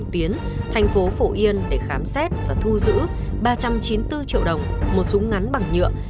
thì nó sẽ bằng cách là